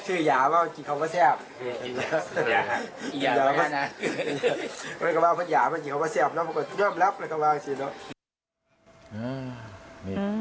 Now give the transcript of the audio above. อือือ